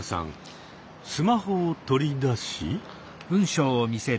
スマホを取り出し。